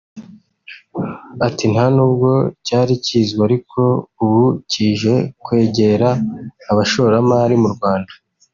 Ati″ Nta nubwo cyari kizwi ariko ubu kije kwegera abashoramari mu Rwanda